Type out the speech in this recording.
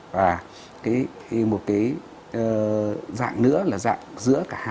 và một cái dạng nữa là dạng giữa cả hai